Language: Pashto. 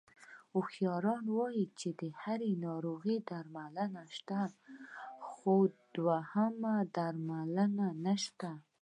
هوښیاران وایي چې د هرې ناروغۍ درملنه شته، خو د وهم درملنه نشته...